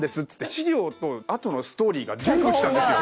資料とあとのストーリーが全部きたんですよ。